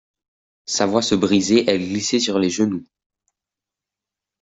Sa voix se brisait, elle glissait sur les genoux.